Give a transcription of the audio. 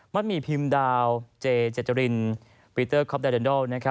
หมี่พิมพ์ดาวเจเจจรินปีเตอร์คอปดาเรนดอล